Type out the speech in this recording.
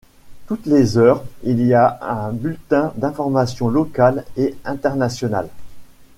Toutes les heures, il y a un bulletin d'informations locales et internationales.